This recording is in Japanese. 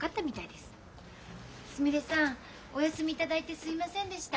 すみれさんお休み頂いてすいませんでした。